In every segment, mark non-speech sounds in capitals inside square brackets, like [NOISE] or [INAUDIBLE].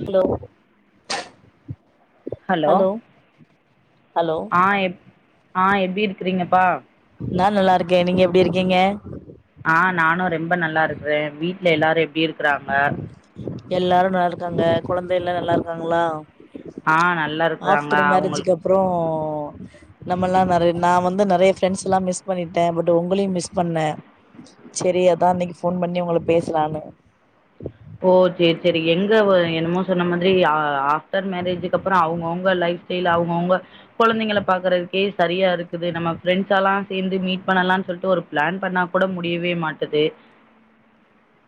Hello hello hello ஆ எ ஆ எப்டி இருக்கிறீங்கப்பா நான நல்லா இருக்கேன் நீங்க எப்டி இருக்கீங்க நானும் ரொம்ப நல்லா இருக்கிறேன் வீட்டுல எல்லாரும் எப்டி இருக் இருக்கறாங்க எல்லாரும் நல்லா இருக்காங்க குழந்தை எல்லாம் நல்லா இருக்காங்களா ஆ நல்லா இருக்குறாங்க அவங்க நம்மல்லாம் நெறைய நான வந்து நெறைய பிரிஎண்ட்ஸ் எல்லாம் மிஸ் பண்ணிட்டேன் பட் உங்களையும் மிஸ் பண்ணேன் செரி அதான் இன்னைக்கு போன் பண்ணி உங்க பேசலான்னு ஓ செரி செரி எங்க என்னமோ சொன்ன மாரி பிடேர் மேரேஜக்கு அப்பறம் அவுங்க அவுங்க லைஃப் ஸ்டைல் அவங்க அவாக கெழந்தைங்கள பாக்குறதுக்கே செரியா இருக்குது நம்ம ப்ரெண்ட்ஸ் எல்லாம் சேர்ந்து மீட் பண்ணலாம்னு சொல்லிட்டு ஒரு பிளான் பண்ணா கூட முடியவே மாட்டது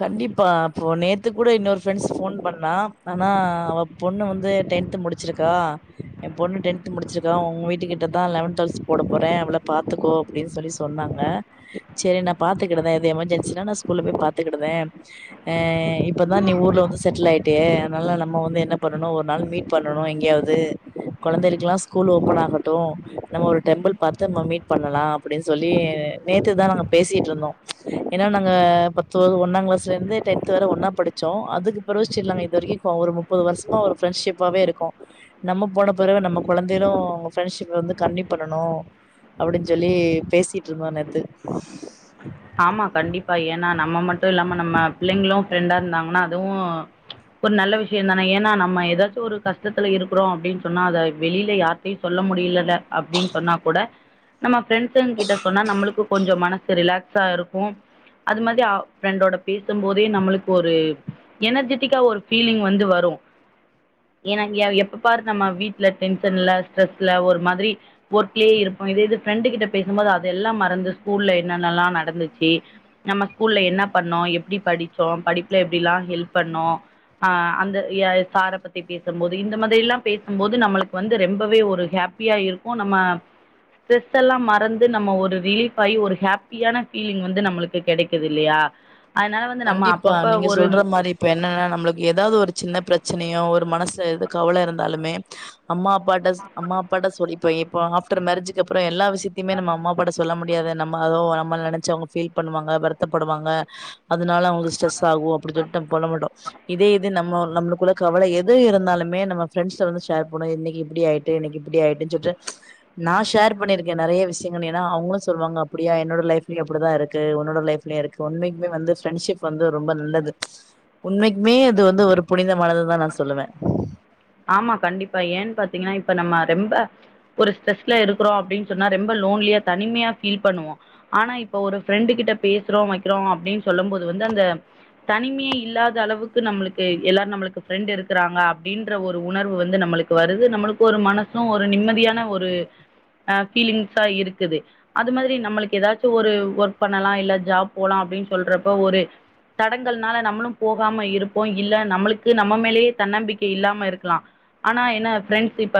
கண்டிப்பா இப்ப நேத்து கூட இன்னொரு ஃப்ரெண்ட்ஸ் போன் பண்ணா ஆனா அவ பொண்ணு வந்து டென்த்து முடிச்சிருக்கா என் பொண்ணு டென்து முடிச்சிருக்கா உங்க வீட்டு கிட்டதான் லெவன்த் டுவெல்த் போட போறேன் அவள பார்த்துக்கோ அப்டின்னு சொல்லி சொன்னாங்க செரி நான் பாத்துக்கிட்டதேன் எது எமர்ஜென்சா நான ஸ்கூல்ல போய் பா பாத்துக்கிட்டதேன் இப்தான் நீ ஊர்ல வந்து செட்டில் ஆயிட்டே அதனால நம்ம வந்து என்ன பண்ணும் ஒரு நாள் மீட் பண்ணனும் எங்கேயாவது கெழந்தைக்கல்லாம் ஸ்கூல் ஓப்பன் ஆகட்டும் நம்ம ஒரு டெம்பிள் பார்த்துட்டு நம்ம மீட் பண்ணலாம் அப்டின்னு சொல்லி நேத்துதான் நாங்க பேசிட்டு இருந்தோம் ஏன்னா நா ஒன்னாம் கிளாஸ்ல இருந்து டென்த் வர ஒன்னா படிச்சோம் அதுக்கு பிறகுச்சரிலாங்க இது வரைக்கும் ஒரு முப்பது வருஷமா ஒரு ஃப்ரெண்ட்ஷிப்பாவே இருக்கும் நம்ம போன பிறகு நம்ம கெழந்தையகளும் அவங்க ஃப்ரெண்ட்ஷிப் வந்து கண்டினியூ பண்ணனும் அப்டின்னு சொல்லி பேசிட்டு இருந்தோ நெத்து ஆமா கண்டிப்பா ஏன்னா நம்ம மட்டும் இல்லாம நம்ம புள்ளைங்களும் ஃப்ரெண்டா இருந்தாங்கன்னா அதுவும் ஒரு நல்ல விஷயம் தானே ஏன்னா நம்ம ஏதாச்சும் ஒரு கஷ்டத்துல இருக்கிறோம் அப்டின்னு சொன்னா அத வெளியில யாரத்தையும் சொல்ல முடியலல அப்டின்னு சொன்னா கூட நம்ம பிரெண்ட்ஸ கிட்ட சொன்னா நம்மளுக்கு கொஞ்சம் மன ரிலாக்ஸ் இருக்கோம் அது மாரி ப்ரெண்டோட பேசும் போதே நம்மளுக்கு ஒரு எனர்ஜெட்டிக்கா ஒரு பீலிங் வந்து வரும் எப்ப பாரு நம்ம வீட்டுல டென்ஷன்ல ஸ்ட்ரெஸ்ல ஒரு மாரி ஒர்க்லயே இருப்போம் இதே இது ஃப்ரெண்டு கிட்ட பேசும்போது அதெல்லாம் மறந்து ஸ்கூல்ல என்ன நல்லா ந்துச்சி நம்ப ஸ்கூல்ல என்ன பணனோம் எப்டி படிச்சோம் படிப்புல எப்டிலாம் ஹெல்ப் போனோம் சார பத்தி பேசும்பது இந்த மாராலாம் பேசும்பது நம்மளுக்கு வந்து ரொம்பவே ஒரு ஹாப்பியா இருக்கும் நம்ம எல்லா மறந்து நம்ம ஸ்ட்ரெஸ் எல்லாம் மறந்து ஒரு ரிலீப் ஆகி ஒரு ஹப்பியான [UNINTELLIGIBLE] லிங் வந்து நம்மளுக்கு கிடைக்குது இல்லையா அதனால வந்து நம்ம கண்டிப்பா அப்பப்ப நீங்க ஒரு சொல்ற ஆமா மாதிரி இப்ப என்னன்னா நம்மளுக்கு ஏதாவது ஒரு சின்ன பிரச்சனையோ ஒரு மனசு தூ கவலை இருந்தா இருந்தாலுமே அம்மா அப்பாட்ட ஸ்-அம்மா அப்பாட்ட சொல்லி இப்ப இப்போ ஆப்டர் மேரேஜுக்கு அப்பறம் எல்லா சி இனிமே நம்ம அம்மா அப்பா கிட்ட சொல்ல முடியாது நம்ம அதோ நம்பல நனைச்சு அவுங்க பீல் பண்ணுவாங்க வருத்தப்படுவாங்க அதனால அவுங்க ஸ்ட்ரெஸ் ஆகும் அப்டின் சொல்லிட்டு நம் போட மாட்டும் இதே இது நம்ம நம்மளுக்குள்ள கவலை எது இருந்தாலுமே நம்ம ப்ரண்டஸ்ல வந்து ஷேர் பண்ணோம் இன்னிக்கு இப்டி ஆயிட்டு இன்னிக்கு இப்படி ஆயிட்டுன்னு சொல்லிட்டு நா ஷேர் பண்ணிருக்கேன் நறைய விஷயங்கள் ஏனா அவுங்களும் சொல்லுவாங்க அப்டியா என்னோட லைப்லயும் அப்டிதான் இருக்கு உன்னோட லைப் இருக்கு உண்மைக்குமே வந்து ப்ரெண்ட்ஷிப் வந்து ரொம்ப நல்லது உண்மைக்குமே அது வந்து ஒரு புனிதமானதுதான்னு நா சொல்லுவே ஆமா கண்டிப்பா ஏன்னு பாத்தீங்கன்னா இப்ப நம்ம ரொம்ப ஒரு ஸ்ட்ரெஸ்ல இருக்கிறோம் அப்பன்னு சொன்னா ரொம்ப லோன்லியா தனிமையா பீல் பண்ணுவோம் ஆனா இப்ப ஒரு ப்ரெண்டு கிட்ட பேசுறோம் வைக்கிறோம் அப்டின்னு சொல்லும் போது வந்து அந்த தனிமையே இல்லாத அளவுக்கு நம்மளுக்கு எல்லாரும் நம்மளுக்கு ப்ரெண்ட் இருக்கறாங்க அப்டின்னு ன்ற ஒரு உணர்வு வந்து நம்மளுக்கு வருது நம்மளுக்கு ஒரு மனசு ஒரு நிம்மதியான ஒரு ஆ ஃபீலிங்ஸா இருக்குது அது மாதிரி நம்மளுக்கு ஏதாச்சு ஒரு ஒர்க் பண்ணலா இல்ல ஜாப் போலா அப்டின்னு சொல்றப்ப ஒரு தடங்கல்னால நம்மளும் போகாம இருப்போ இல்ல நம்மளுக்கு நம்ம மேலேயே தன்னம்பிக்கை இல்லாம ம் இருக்கலாம் ஆனா என்ன ஃப்ரெண்ட்ஸ் இப்ப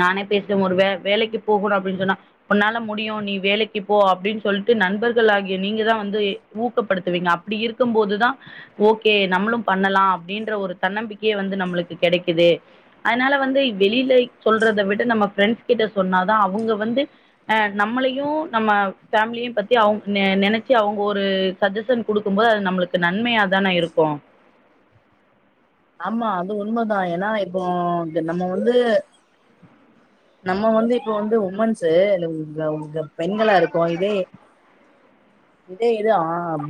நானே பேசறன் ஒரு வே வேலைக்கு போகணும் அப்டின்னு சொன்னா உன்னால முடியும் நீ வேலைக்கு போ அப்டின்னு சொல்லிட்டு நண்பர்கள் ஆகிய நீங்க தான் வந்து ஊக்கப்படுத்துவீங்க அப்படி இருக்கும் போதுதான் ஓகே நம்மளும் பண்ணலாம் அப்டின்ற ஒரு தன்னம்பிக்கையே வந்து நம்மளுக் க்கு கெடைக்குது அதனால வந்து வெளியில சொல்றத விட நம்ம ப்ரெண்ட்ஸ்கிட்ட சொன்னாதா அவுங்க வந்து ஆ நம்மளையூ நம்ம பேமிலியையு பத்தி அவுங்க நெ நெனைச்சு அவங்க ஒரு சஜஷன் குடுக்கும் போது அது நம்மளுக்கு நன்மையாதான இருக்கு ஆமா அது உண்மைதான் ஏனா இப்போ நம்ம வந்து-நம்ம வந்து இப்ப வந்து உமன்ஸ் உங்க-உங்க பெண் ல்லாருக்கும் இதே இதே எது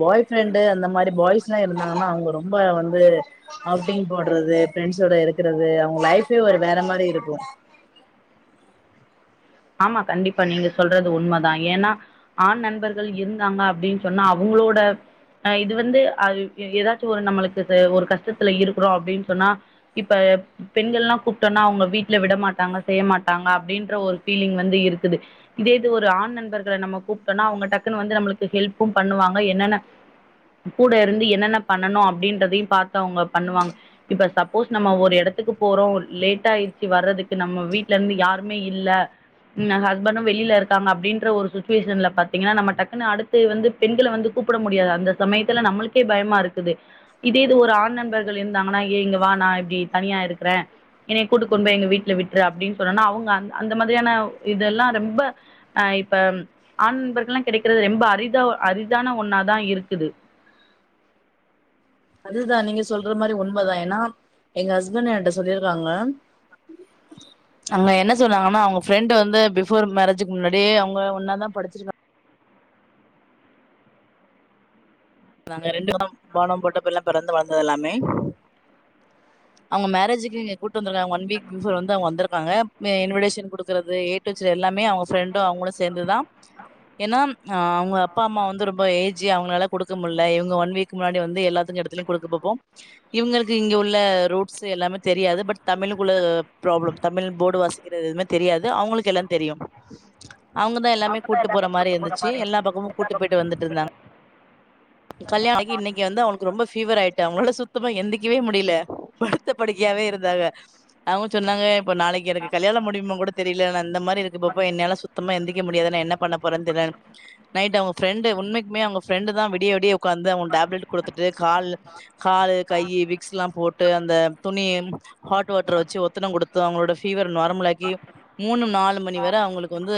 பாய் ப்ரெண்டு அந்த மாதிரி பாய்ஸ் எல்லாம் இருந்தாங்கன்னா அவுங்க ரொம்ப வந்து அவுட்டிங் போடுறது பிரெண்ட்ஸோட இருக்கறது அவுங்க லைஃபே ஒரு வேற மாரி இருக்கும் ஆமா கண்டிப்பா நீங்க சொல்றது உண்மைதான் ஏனா ஆண் நண்பர்கள் இருந்தாங்க அப்டின்னு சொன்னா அவுங்களோட ஹா இது வந்து ஏதாச்சும் ஒரு நம்மளுக்கு ஒரு கஷ்டத்துல இருக்கணோம் அப்டின்னு சொன்னா இப்ப பெண்கள் எல்லாம் கூப்பிட்டோம்னா அவுங்க வீட்டுல விடமாட்டாங்க செய்ய மாட்டாங்க அப்டின்ற ஒரு பீலிங் வந்து இருக்குது இதே இது ஒரு ஆண் நண்பர் நம்ம கூப்பிட்டோம்னா அவுங்க டக்குன்னு வந்து நம்மளுக்கு ஹெல்ப்பும் பண்ணுவாங்க என்னென்ன கூட இருந்து என்னென்ன பண்ணனும் அப்டின்றதையும் பாத்து அவுங்க பண்ணுவாங்க இப்ப சப்போஸ் நம்ம ஒரு இடத்துக்கு போறோம் லேடட்ட ஆயிடுச்சு வர்றதுக்கு நம்ம வீட்ல இருந்து யாருமே இல்ல ஹஸ்பண்டும் வெளில இருக்காங்க அப்டின்ற ஒரு சுச்சுவேஷன்ல பாத்தீங்கன்னா நம்ம டக்குன்னு அத்து வந்து பெண்களை வந்து கூப்பிட முடியாது அந்த சமயத்துல நம்மளுக்கே பயமா இருக்குது இதே இது ஒரு ஆண் நண்பர்கள் இருந்தாங்கன்னா ஏ இங்க வா நா இப்படி தனியா இருக்கிறேன் என் கூட்டுக்கொண்டு போய் எங்க வீட்டுல விட்டுரு அப்டின்னு சொன்னனா அவுங்க அந்த அந்த மாதிரி இத இதெல்லாம் ரொம்ப ஹா இப்ப ஆண் நண்பர்கள்யெல்லாம் கிடைக்கிறது ரொம்ப அரிதா-அரிதான ஒன்னாதான் இருக்குது இதுதான் நீங்க சொல்ற மாதிரி உண்மைதான் ஏனா எங்க ஹஸ்பண்ட் எகிட்ட சொல்லிருக்காங்க அங்க என்ன சொன்னாங்கன்னா அவுங்க ப்ரெண்ட் வந்து பிபோர் மேரேஜக்கு முன்னாடி அவுங்க ஒன்னாதான் படிச்சிருக்காங்க [UNINTELLIGIBLE] பொறந்து வளந்த யெல்லாமே அவுங்க மேரேஜக்கு கூட்டு வந்துருக்காங்க ஒன் வீக் பிபோர் அவுங்க வந்துருக்காங்க இன்விடேஷன் கொடுக்கிறது ஏ டு இசட் எல்லாமே அவுங்க பிரண்டும் அவுங்களும் சேந்துதான் ஏனா அவுங்க அப்பா அம்மா ரொம்ப ஏஜ்ஜூ அவங்களால குடுக் ஏது முடில இவங்க ஒன் வீக் முன்னாடி வந்து எல்லாத்துக்கு இடத்தில கொடுக்கங்க போபோம் இவங்களுக்கு இங்க உள்ள ரூட்ஸ் எல்லாமே தெரியாது பட் தமிழக்குள்ள ப்ராப்ளம் தமிழ் போர்டு வாசிக்கிறது எதுவுமே தெரியாது அவுங்கக்கு எல்லா தெரியும் அவன் அவங் எல்லமே அவங்க தான் கூட்டு போற எல்லாத்தையும் மாரி இருந்துச்சு மாதிரி எல்லா இருக்கு பக்கமும் கூட்டு போயிட்டு வந்துட்டு இருந்தாங்க கல்யாணம் நாளக்கி இன்னகி வந்து அவுங்களுக்கு ரொம்ப பீவர் ஆயிட்டு அவுங்களால சுத்தமா எந்திக்கவே முடியல படுத்த படிக்கயவே இருந்தாங்க அவுங்க சொன்னாங்க இப்ப நாளக்கு எனக்கு கல்யாணம் முடியும கூட தெரியல ந அந்த மாதிரி இருக்கு பாப்ப என்னால சுத்தமா எந்திக்கக்க முடியாதது நா என்ன பண்ண போறேன்னு தெரில நைட் அவுங்க ப்ரெண்டு உண்மைக்குமே அவுங்க ப்ரெண்டு தான் விடிய-விடிய உட்காந்து அவுங்க டேப்லெட் கொடுத்துட்டு கால்-கால் கை விக்ஸ் யெல்லாம் போட்டு அந்த துணி ஹாட் வாட்டர் வச்சு ஒத்தனம் கொடுத்து அவுங்களோட பீவர் நரமலாக்கி மூணு நாலு மணி வர அவுங்களுக்கு வந்து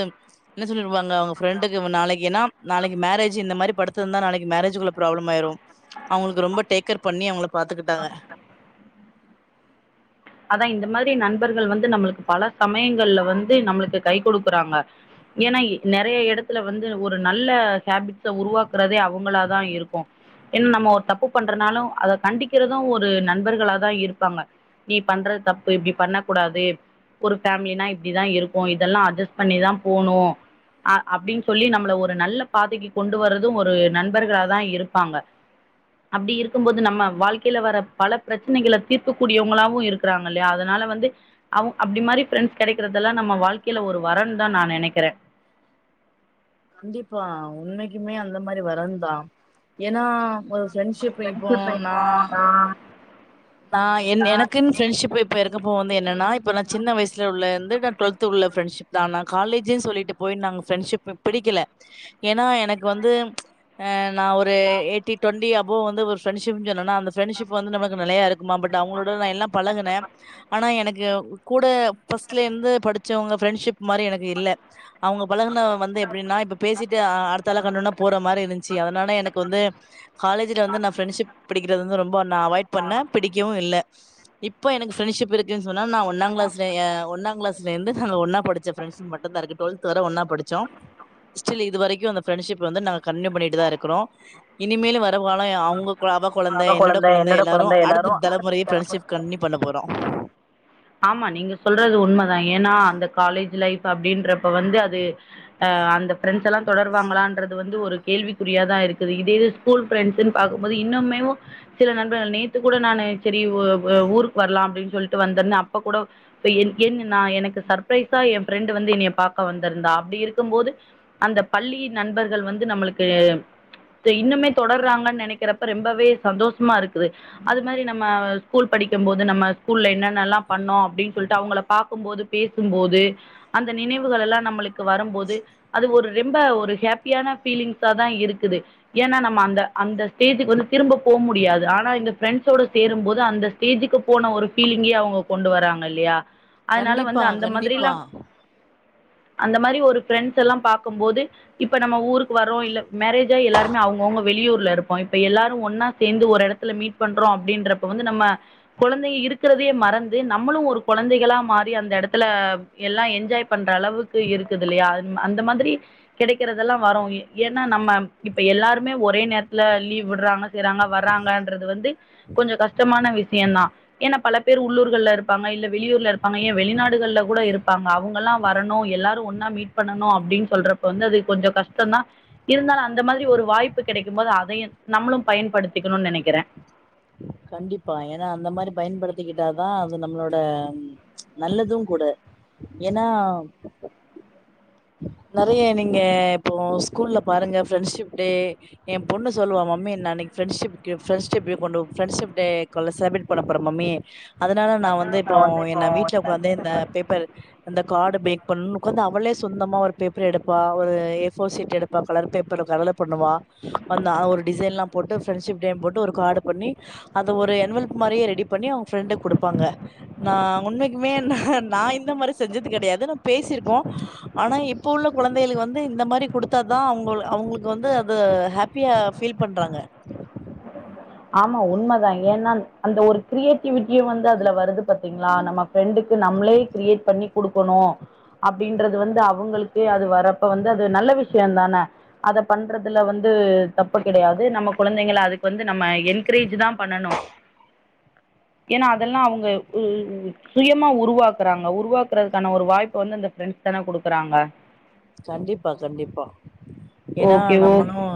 என்ன சொல்லிருவாங்க அவுங்க ப்ரெண்டுக்கு நாளைக்ககின்னா நாளைக்கு மேரேஜ் இந்த மாரி படுத் இருந்த நாளைக்கு மேரேஜுக்குள்ள ப்ராப்ளம் ஆயிரும் அவுங்களுக்கு ரொம்ப டேக்கர் பண்ணி அவுங்கள பாத்துக்கிட்டாங்க அதான் இந்த மாதிரி நண்பர்கள் வந்து நம்மளுக்கு பல சமயங்கள்ல வந்து நம்மளுக்கு கை கொடுக்குறாங்க ஏனா நறைய இடத்துல வந்து ஒரு நல்ல ஹேபிட்ஸ உருவாக்குறதே அவுங்களாதான் இருக்கும் ஏனா நம்ம ஒரு தப்பு பண்றனாலும் அத கண்டிக்கிறதும் ஒரு நண்பர்களாதான் இருப்பாங்க நீ பண்றது தப்பு இப்டி பண்ணக் கூடாது ஒரு ஃபேமிலினா இப்டிதா இருக்கு இதெல்லா அட்ஜஸ்ட் பண்ணிதா போணு அ அப்டின்னு சொல்லி நம்மள ஒரு நல்ல பாதைக்கு கொண்டு வர்றதும் ஒரு நண்பர்களாதா இருப்பாங்க அப்டி இருக்கும் போது நம்ம வாழ்க்கையில வர பல பிரச்சனைகள தீர்க்கக்கூடியவங்களாவு இருக்கிறாங்க இல்லையா அதனால வந்து அவ அப்டி மாதிரி கிடைக்கதெல்லாம் நம்ம வாழ்க்கையில ஒரு வரன் தான் நான் நனைக்கிறேன் கண்டிப்பா உண்மைனைக்குமே அந்த மாதிரி வரந்தான் ஏனா ஒரு ப்ரெண்ட்ஷிப் வைப்போம் ஃப்ரெண்ட்ஷிப் நா இப்போ நான் நான் என எனக்குன்னு ப்ரெண்ட்ஷிப் இப்ப இருக்கப்போ வந்து என்னன்னா இப்ப நான் சின்ன வயசுல உள்ள வந்து ட்வீல்வத் உள்ள ப்ரெண்ட்ஷிப் தான் காலேஜ சொல்லிட்டு போய் நாங்க ப்ரெண்ட்ஷிப் பிடிக்கல ஏன எனக்கு வந்து நான் ஒரு யெய்ட்டி டோண்டி போ வந்து ஒரு ஃரெண்ஷிப் என்னா அந்த பிரண்ஷிப் வந்து நமக்கு நிலய இருக்கு பட் அவங்களோட நான் எல்லாம் பழகுனேன் ஆனா எனக்கு யன் கூட பஸ்ட்ல இருந்து படிச்சவங்க ஃரெண்ட்ஷிப் மாரி எனக்கு இல்ல அவங்க பழகன வந்து எப்படின்னா இப்ப பேசிட்டு அடுத்தாள கண்டடோன போற மாரி இருந்துச்சு அதனால எனக்கு வந்து காலேஜ்ல வந்து நான பிரண்ட்ஷிப் பிடிறது வந்து ரொம்ப நான் அவாய்ட் பண்ண இப்ப இல்ல இப்ப எனக்கு ப்ரன்ஸ்ஷிப் இருக்குன்னு சொன்னா நான ஒன்னா கிளாஸ் யிருந்நது ஹம் ஒன்ன படிச்ச ஃப்ரன்ஸ் மட்டும் தான் இருக்கு டுவல்த் வரை ஒன்னா படிச்சோம் லிஸ்ட்ல இதுவரைக்கும் அந்த ஃப்ரன்ஸ்ஷிப் வந்து நான கன்டினுயூ பன்னிட்டுத இருக்குரோம் இனிமேலும் வரலம் அவங்க அவபா கெழந்தை அவ என்னோட குழந்தை கெழந்தை எல்லாரும் குழந்தை அடுத்த தலைமுறையை ஃப்ரெண்ட்ஷிப் தலைமுறைக்கு கண்டுநியூ பண்ண போறோம் ஆமா நீங்க சொல்றது உண்மைதான் ஏன்னா அந்த காலேஜ் லைஃப் அப்படின்றப்ப வந்து அது அஹ் அந்த பிரெண்ட்ஸ் எல்லாம் தொடர்வாங்களான்து வந்து ஒரு கேள்விக்குறியாதான் இருக்குது இதே இது ஸ்கூல் ப்ரண்ட்ஸ்ன்னு பார்கும்போது இன்னுமே சில நண்பர்கள் நேத்து கூட நான் சரி ஊருக்கு வரலாம் அப்படின்னு சொல்லிட்டு வந்த அபகூட என்ன எனக்கு சர்பரைஸா என் ப்ரெண்ட் வந்து இனைய பார்க்க வந்திருந்தா அப்படி இருக்கும் போது அந்த பள்ளி நண்பர்கள் வந்து நம்மளுக்கு இன்னுமே தொடர்றாங்கன்னு நினைக்கிறப்ப ரொம்பவே சந்தோஷமா இருக்குது அது மாதிரி நம்ம ஸ்கூல் படிக்கும் போது நம்ம ஸ்கூல்ல என்னன்னல்லாம் பண்ணோம் அப்படின்னு சொல்லிட்டு அவங்கள பார்க்கும்போது பேசும்போது அந்த நினைவுகள் எல்லாம் நம்மளுக்கு வரும்போது அது ஒரு ரெம்ப ஒரு ஹாப்பியான பீலிங்ஸ தான் இருக்குது ஏன்னா நம்ம அந்த அந்த ஸ்டேஜுக்கு வந்து திரும்ப போக முடியாது ஆனா எங்க பிரெண்ட்ஸோட சேரும்போது அந்த ஸ்டேஜுக்கு போன ஒரு பீலிங்கே அவங்க கொண்டு வராங்க இல்லயா அதனால வந்து கண்டிப்பா அந்த கண்டிப்பா மாதிரிலாம் அந்த மாதிரி ஒரு பிரெண்ட்ஸ் எல்லாம் பார்க்கும்போது இப்ப நம்ம ஊருக்கு வர்றோம் இல்ல மேரேஜ் அயி எல்லாருே அவங்கவுங்க வெளியூர் ல்ல இருப்போம் இப்ப எல்லாரும் ஒன்னா சேர்ந்து ஒரு இடத்துல மீட் பண்றோம் அப்டின்ற வந்து நம்ம கெழந்தை இருக்கிறதே மறந்து நம்மளும் ஒரு குழந்தைகளா மாறி அந்த இடத்துல எல்லாம் என்ஜாய் பண்ற அளவுக்கு இருக்குது இல்லையா அந்த மாதிரி கிடைக்கறதெல்லாம் வரோம் ஏன்னா நம்ம இப்ப எல்லாருமே ஒரே நேரத்துல லீவ் விடுறாங்க செய்றாங்க வறங்கன்றது வந்து கொஞ்சம் கஷ்டமான விஷயம் தான் ஏன்னா பல பேர் உள்ளூருக்கு ல்ல இருப்பாங்க இல்ல வெளியூர்ல இருப்பாங்க ஏ வெளிநாடுல கூட இருப்பாங்க அவங்க எல்லாம் வரணும் எல்லாரும் ஒன்னா மீட் பண்ணணும் அப்டின்னு சொல்றப்ப வந்து அது கொஞ்சம் கஷ்டம தான் இருந்தாலும் அந்த மாரி ஒரு வாய்ப்பு கெடைக்கும் போது அதையும் நம்மளும் பயன்படுத்திக்கணும்னு நினைக்கிறேன் கண்டிப்பா ஏன்னா அந்த மாரி பயன்படுத்திக்கிட்டாதான் அது நம்மளோட ம் ச் நல்லதும் கூட ஏன்னா நிறைய நீங்க இப்போ ஸ்கூல்ல பாருங்க ஃப்ரெண்ட்ஷிப் டே என் பொண்ணு சொல்லுவா மம்மி நான்னைக்கு ப்ரெண்ட்ஷிப்கு ப்ரெண்ட்ஷிப் கொண்டு ரெண்ட்ஷிப் டே கொள்ள செலப்ரேட் பண்ண போறேன் மம்மி அதனால நான் அதா வந்து நா இப்போ என்ன ஒரு வீட்டுல உட்காந்து இந்த கன்சல்ட் பேப்பர் இந்த காடு பேக் பண்ணு உக்காந்து அவளே சொந்த ஒரு பேப்பர் எடுப்பா ஒரு ஏர்போசீட் எடுப்பா கலர் பேப்பர் கரல பண்ணுவா அந்த ஒரு டிசைன் எல்லாம் போட்டு ப்ரண்ட்ஷிப் டே போட்டு ஒரு கார்டு பண்ணி அத ஒரு அவெல்ப் மாரிரே ரெடி பண்ணி அவங்க ஃப்ரெண்ட குடுப்பாங்க நான உண்மக்குமே ஹம் நான் இந்த மாதரி செஞ்சது கெடையாது ந பேசிருக்கோம் ஆனா இப்ப உள்ள குழந்தைகளுக்கு வந்து இந்த மாதிரி குடுத்தாதான் அவங்க அவங்களுக்கு வந்து அது ஹாப்பியா ஃபீல் பண்றாங்க ஆமா உண்மதான் ஏன்னா அந்த ஒரு கிரியேட்டிவிட்டி இயன் வந்துதுல வருது பாத்தீங்களா நம்ம ஃப்ரெண்டுக்கு நம்மளே கிரியேட் பண்ணி கொடுக்கணும் அப்படின்றது வந்து அவங்களுக்கு அது வரப்ப வந்து அது நல்ல விஷயம் தானே அத பண்றதுல வந்து தப்பு கிடையாது நம்ம குழந்தைங்க அதுக்கு வந்து நம்ம என்கரேஜ் தான் பண்ணனும் ஏன்னா அதெல்லாம் அவங்க சுயமா உருவாக்குறாங்க உருவாக்குறதுக்கான ஒரு வாய்ப்ப வந்து அந்த ஃப்ரெண்ட்ஸ் தானே கொடுக்குறாங்க கண்டிப்பா கண்டிப்பா ஏன்னா ஓகே, ஓகே. நம்மளும்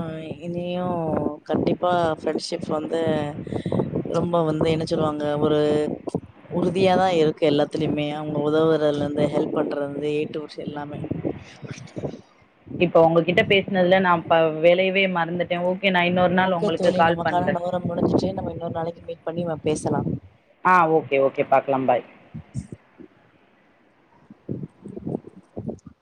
இனி யும் கண்டிப்பா ரெண்ட்ஷிப் வந்து ரொம்ப வந்து என்ன சொல்லுவாங்க ஒரு உறுதியாதான் இருக்கு எல்லாத்துலயுமே அவங்க உதவுறல்ல ஹெல்ப் பண்றதுந்து டியூப்ஸ் எல்லாமே [UNINTELLIGIBLE] இப்ப உங்ககிட்ட பேசினதுல நான் வேளையவே மறந்துட்டேன் ஓ ஓகே தோழி நமக்கான நேரம் முடிஞ்சுச்சே நம்மன்னரு நாளக்கு மீட் பண்ணி பேசலாம் ஆஹ் ஓகே ஓகே பாக்கலாம் பாய்